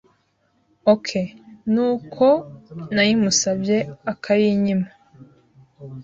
Ok n’uko nayimusabye akayinyimpa